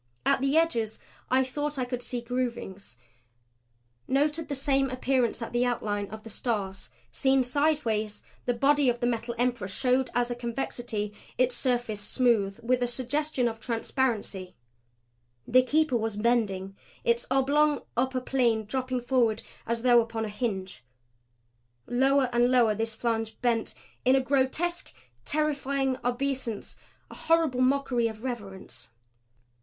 At the edges I thought I could see groovings; noted the same appearances at the outlines of the Stars. Seen sidewise, the body of the Metal Emperor showed as a convexity; its surface smooth, with a suggestion of transparency. The Keeper was bending; its oblong upper plane dropping forward as though upon a hinge. Lower and lower this flange bent in a grotesque, terrifying obeisance; a horrible mockery of reverence.